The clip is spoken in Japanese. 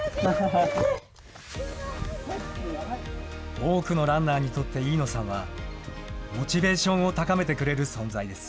多くのランナーにとって飯野さんは、モチベーションを高めてくれる存在です。